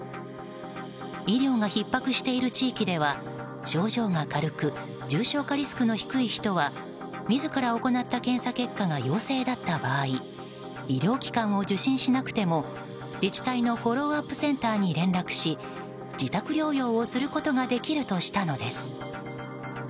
医療がひっ迫している地域では症状が軽く重症化リスクの低い人は自ら行った検査結果が陽性だった場合医療機関を受診しなくても自治体のフォローアップセンターに連絡し自宅療養をすることができるとしたのです。